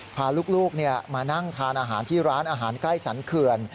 พาลูกมานั่งทานอาหารที่ร้านอาหารใกล้สรรเขื่อน